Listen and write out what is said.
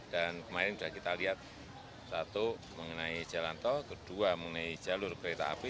dan kemarin sudah kita lihat satu mengenai jalan tol kedua mengenai jalur kereta api